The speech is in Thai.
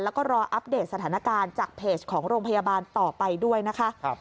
แล้วก็รออัปเดตสถานการณ์จากเพจของโรงพยาบาลต่อไปด้วยนะคะ